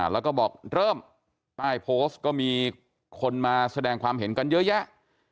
แล้วก็บอกเริ่มใต้โพสต์ก็มีคนมาแสดงความเห็นกันเยอะแยะ